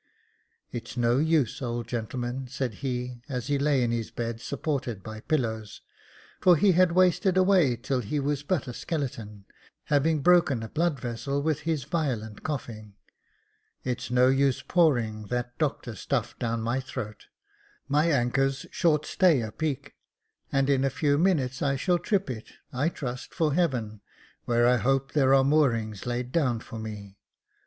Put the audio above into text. ' It's no use, old gentleman,' said he, as he lay in his bed supported by pillows, for he had wasted away till he was but a skeleton, having broken a blood vessel with his violent coughing —' It's no use pouring that doctor's stuff down my throat ; my anchor's short stay apeak, and in a few minutes I shall trip it, I trust for heaven, where I hope there are moorings laid down for me.'